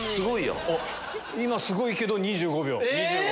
今すごいけど２５秒。